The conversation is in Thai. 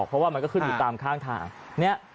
เพราะว่ามันก็ขึ้นอยู่ตามข้างทาง